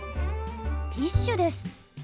ティッシュです。